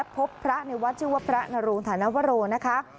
พบพระในวัดชื่อว่าพระนโรงฐานวโรนะคะ